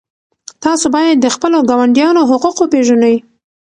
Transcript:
تاسو باید د خپلو ګاونډیانو حقوق وپېژنئ.